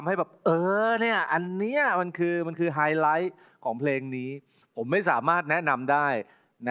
อย่าให้เขารู้ว่าเราไม่เปลี่ยนจากเดิม